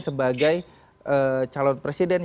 sebagai calon presiden